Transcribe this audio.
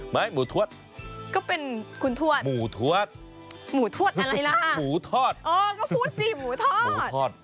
หมูทวดก็เป็นคุณทวดหมูทวดหมูทวดอะไรล่ะหมูทอดเออก็พูดสิหมูทอดทอด